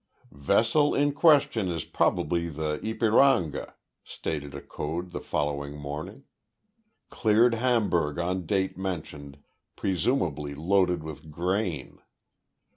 Vessel in question is probably the Ypiranga [stated a code the following morning]. Cleared Hamburg on date mentioned, presumably loaded with grain.